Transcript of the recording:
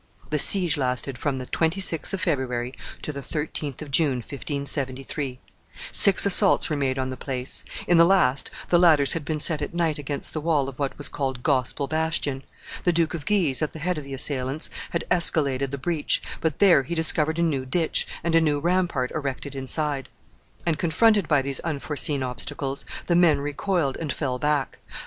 The siege lasted from the 26th of February to the 13th of June, 1573; six assaults were made on the place; in the last, the ladders had been set at night against the wall of what was called Gospel bastion; the Duke of Guise, at the head of the assailants, had escaladed the breach, but there he discovered a new ditch and a new rampart erected inside; and, confronted by these unforeseen obstacles, the men recoiled and fell back.